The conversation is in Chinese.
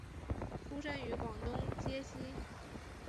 出生于广东揭西。